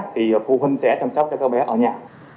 thì phụ huynh sẽ chăm sóc cho các bé ở nhà